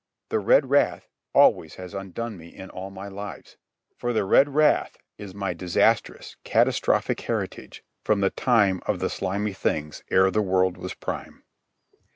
The red wrath always has undone me in all my lives; for the red wrath is my disastrous catastrophic heritage from the time of the slimy things ere the world was prime.